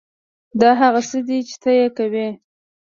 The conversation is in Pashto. دا هغه څه دي چې ته یې کوې